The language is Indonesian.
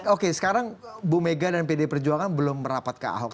oke sekarang bu mega dan pd perjuangan belum merapat ke ahok